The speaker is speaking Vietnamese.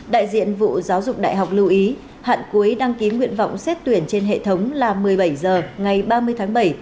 đại diện bộ giáo dục đại học lưu ý hạn cuối đăng ký nguyện vọng xét tuyển trên hệ thống là một mươi bảy h ngày ba mươi tháng bảy